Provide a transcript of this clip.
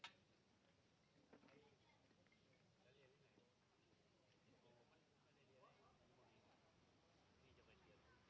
สวัสดีครับ